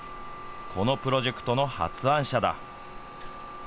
このプロジェクトの発案者だ。